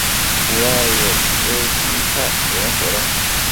古代有斯基泰人活动。